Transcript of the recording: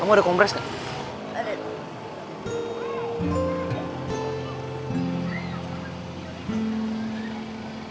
kamu ada kompres gak